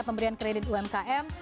pemberian kredit umkm